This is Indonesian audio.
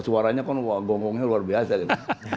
suaranya kan gonggongnya luar biasa gitu